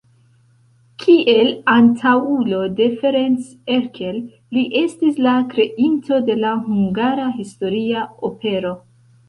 Kiel antaŭulo de Ferenc Erkel li estis la kreinto de la hungara historia opero.